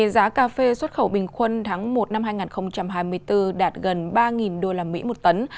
giá cà phê xuất khẩu bình quân tháng một năm hai nghìn hai mươi bốn đạt gần ba usd một tấn